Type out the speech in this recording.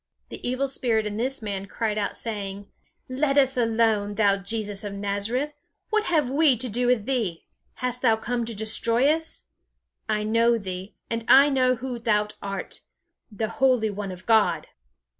The evil spirit in this man cried out, saying: "Let us alone, thou Jesus of Nazareth! What have we to do with thee? Hast thou come to destroy us? I know thee; and I know who thou art, the Holy one of God!"